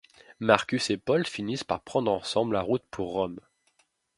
Marcus et Paul finissent par prendre ensemble la route pour Rome.